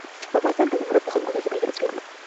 په افغانستان کې زمرد د خلکو د ژوند په کیفیت تاثیر کوي.